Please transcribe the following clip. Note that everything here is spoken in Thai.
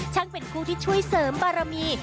ช่างเป็นคู่ที่ช่วยเสริมบรมี